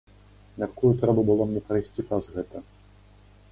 Мяркую, трэба было мне прайсці праз гэта.